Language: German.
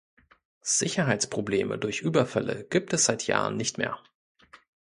Sicherheitsprobleme durch Überfälle gibt es seit Jahren nicht mehr.